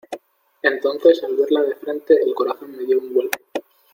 entonces, al verla de frente , el corazón me dió un vuelco.